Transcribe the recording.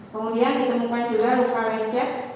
kemudian ditemukan juga luka leher